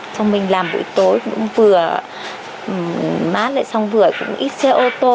xong mình làm buổi tối cũng vừa mát lại xong vừa cũng ít xe ô tô